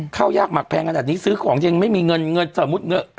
ข้าวยากหมักแพงขนาดนี้ซื้อของยังไม่มีเงินเงินสมมุติเงิน